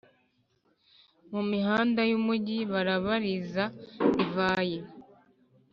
Mu mihanda y’umugi barabaririza divayi,